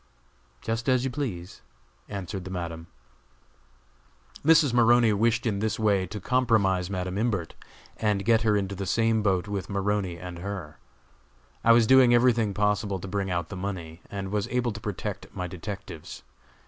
"Just as you please," answered the Madam. Mrs. Maroney wished in this way to compromise Madam Imbert, and get her into the same boat with Maroney and her. I was doing everything possible to bring out the money, and was able to protect my detectives.